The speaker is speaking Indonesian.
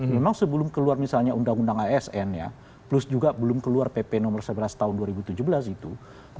memang sebelum keluar misalnya undang undang asn ya plus juga belum keluar pp nomor sebelas tahun dua ribu tujuh belas itu